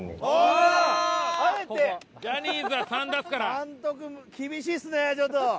監督厳しいですねちょっと。